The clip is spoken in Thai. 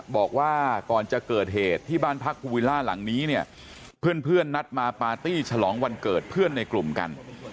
บอกว่าก่อนจะเกิดเหตุที่บ้านพักภูวิลล่าหลังนี้เนี่ยเพื่อนนัดมาปาร์ตี้ฉลองวันเกิดเพื่อนในกลุ่มกัน